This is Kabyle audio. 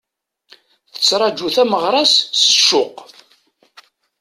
Tettraǧu tameɣra-s s ccuq.